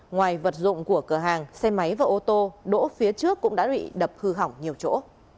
ngoài vật dụng của cửa hàng xe máy và ô tô đỗ phía trước cũng đã bị đập hư hỏng nhiều chỗ